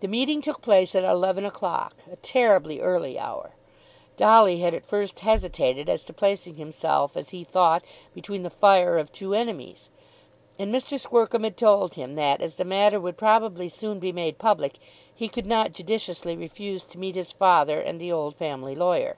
The meeting took place at eleven o'clock a terribly early hour. Dolly had at first hesitated as to placing himself as he thought between the fire of two enemies, and Mr. Squercum had told him that as the matter would probably soon be made public, he could not judiciously refuse to meet his father and the old family lawyer.